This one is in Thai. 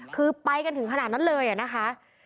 คือไปกันถึงขนาดนั้นเลยนะคะ